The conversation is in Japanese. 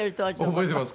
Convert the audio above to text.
覚えてます。